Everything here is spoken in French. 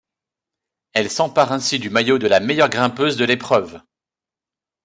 Elle s'empare ainsi du maillot de la meilleure grimpeuse de l'épreuve.